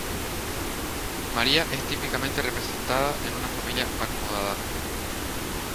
María es típicamente representada en una familia acomodada.